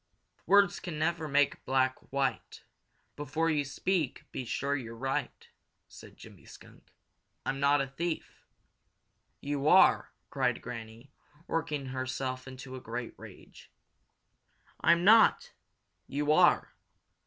"Words can never make black white; Before you speak be sure you're right," said Jimmy Skunk. "I'm not a thief." "You are!" cried Granny working herself into a great rage. "I'm not!" "You are!"